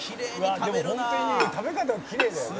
「でもホントにね食べ方がきれいだよね」